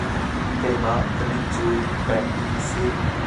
Keimah ka min cu Peng a si.